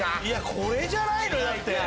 これじゃないの⁉だって。